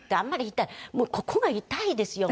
もうここが痛いですよ。